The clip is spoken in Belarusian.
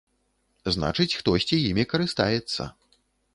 Значыць, хтосьці імі карыстаецца.